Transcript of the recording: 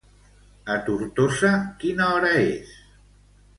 A Tortosa quina hora és?